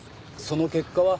その結果は？